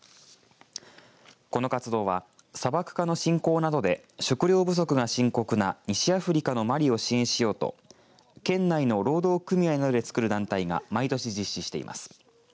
この活動は砂漠化の進行などで食糧不足が深刻な西アフリカのマリを支援しようと県内の労働組合などで作る団体が毎年、実施しています。